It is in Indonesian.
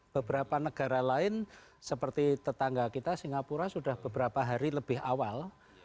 beberapa negara lain seperti tetangga kita singapura sudah beberapa hari lebih awal